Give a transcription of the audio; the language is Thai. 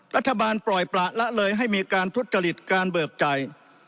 รัฐบาลปล่อยประละเลยให้มีการทุจริตการเบิกจ่าย